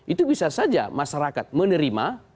itu bisa saja masyarakat menerima